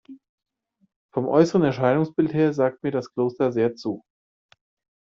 Vom äußeren Erscheinungsbild her sagt mir das Kloster sehr zu.